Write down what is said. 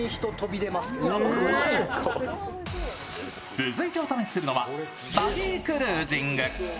続いてお試しするのはバギークルージング。